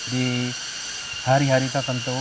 di hari hari tertentu